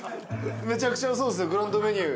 めちゃくちゃそうですねグランドメニュー。